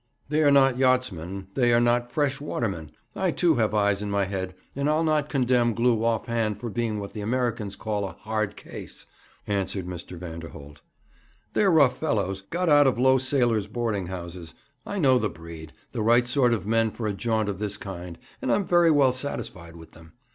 'They are not yachtsmen; they are not fresh watermen. I, too, have eyes in my head, and I'll not condemn Glew off hand for being what the Americans call a "hard case,"' answered Mr. Vanderholt. 'They are rough fellows, got out of low sailors' boarding houses. I know the breed the right sort of men for a jaunt of this kind and I'm very well satisfied with them.